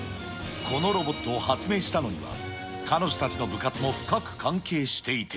このロボットを発明したのは、彼女たちの部活も深く関係していて。